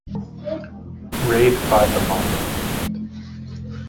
Raid by the Bomber Command.